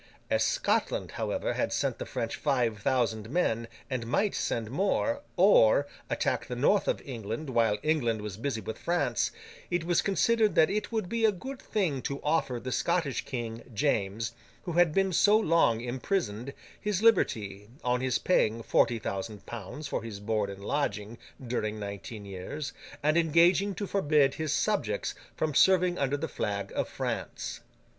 As Scotland, however, had sent the French five thousand men, and might send more, or attack the North of England while England was busy with France, it was considered that it would be a good thing to offer the Scottish King, James, who had been so long imprisoned, his liberty, on his paying forty thousand pounds for his board and lodging during nineteen years, and engaging to forbid his subjects from serving under the flag of France.